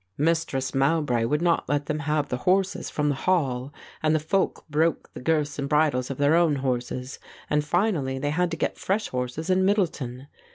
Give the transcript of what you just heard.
"Mistress Mowbray would not let them have the horses from the Hall and the folk broke the girths and bridles of their own horses, and finally they had to get fresh horses in Middleton.